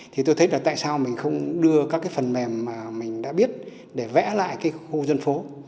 thì tôi thấy là tại sao mình không đưa các cái phần mềm mà mình đã biết để vẽ lại cái khu dân phố